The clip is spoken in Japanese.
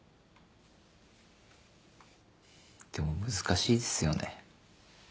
でも難しいっすよね。